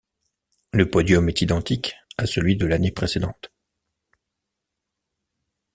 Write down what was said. Le podium est identique à celui de l'année précédente.